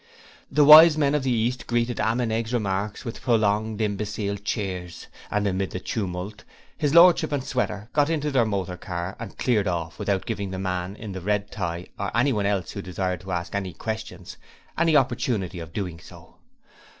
The Wise Men of the East greeted Ammenegg's remarks with prolonged, imbecile cheers, and amid the tumult his Lordship and Sweater got into the motor car and cleared off without giving the man with the red tie or anyone else who desired to ask questions any opportunity of doing so.